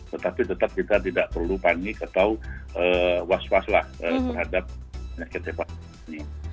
tetapi tetap kita tidak perlu panik atau was was lah terhadap penyakit hepatitis ini